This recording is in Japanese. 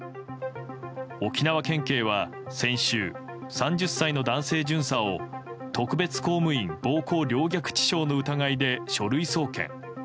沖縄県警は先週３０歳の男性巡査を特別公務員暴行陵虐致傷の疑いで書類送検。